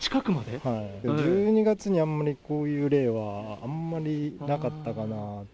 １２月にあんまり、こういう例はあんまりなかったかなって。